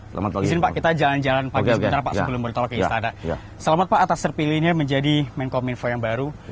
selamat pagi kita jalan jalan pagi pagi selamat atas terpilihnya menjadi menko minfo yang baru